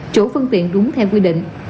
chủ phương tiện đúng theo quy định